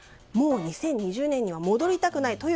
もう２０２０年には戻りたくない。